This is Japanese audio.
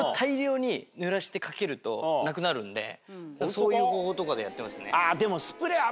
そういう方法とかでやってますね。